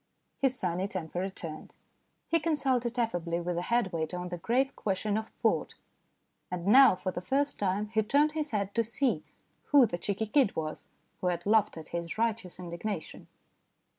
His sunny temper returned. He consulted affably with the head waiter on the grave question of port. And now, for the first time, he turned his head to see who the cheeky kid was who had laughed at his righteous indignation.